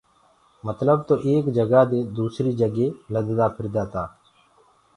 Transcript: متلب تو ايڪ جگآ دي دوٚسريٚ جگي لددا ڦِردآ تآ۔